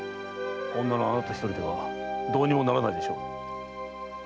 女のあなたひとりではどうにもならないでしょう。